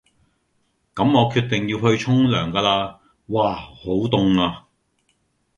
咁我決定要去沖涼㗎啦，嘩好凍呀！